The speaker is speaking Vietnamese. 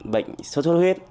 bệnh sốt suốt huyết